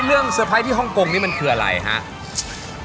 แล้วเรื่องเซอร์ไพรส์ที่ฮ่องโกงนี้มันคืออะไรฮะ